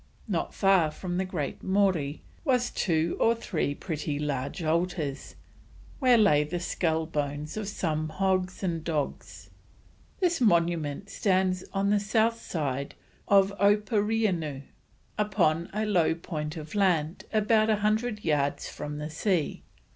Not far from the Great Morie, was 2 or 3 pretty large altars, where lay the scull bones of some Hogs and Dogs. This monument stands on the south side of Opooreanoo, upon a low point of land about 100 yards from the sea.